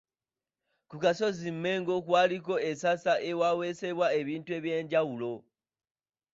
Ku kasozi Mengo kwaliko essasa ewaweesebwa ebintu eby'enjawulo.